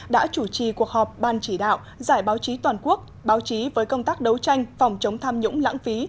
đã chủ trì cuộc họp ban chỉ đạo giải báo chí toàn quốc báo chí với công tác đấu tranh phòng chống tham nhũng lãng phí